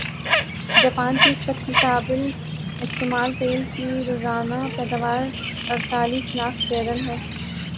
Japan کی اس وقت کی قابل استعمال تیل کی روزانہ پیداواراڑتالیس لاکھ بیرل ھے